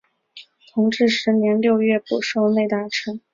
同治十年六月补授内大臣。